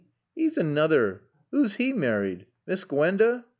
'E's anoother. 'Ooo's 'e married? Miss Gwanda?